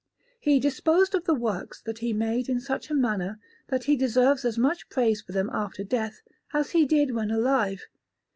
He disposed the works that he made in such a manner that he deserves as much praise for them after death as he did when alive.